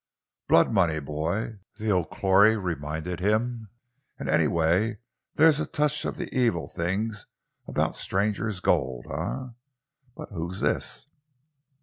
"Blood money, boy," the O'Clory reminded him, "and anyway there's a touch of the evil thing about strangers' gold. Eh, but who's this?"